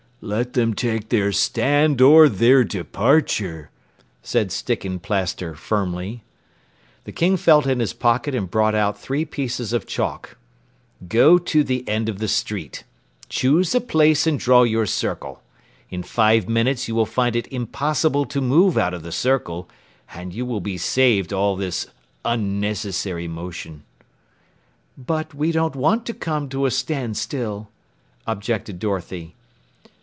"Let them take their stand or their departure," said Sticken Plaster firmly. The King felt in his pocket and brought out three pieces of chalk. "Go to the end of the street. Choose a place and draw your circle. In five minutes you will find it impossible to move out of the circle, and you will be saved all this unnecessary motion." "But we don't want to come to a standstill," objected Dorothy.